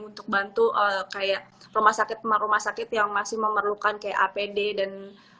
untuk bantu kayak rumah sakit rumah sakit yang masih memerlukan kayak apd dan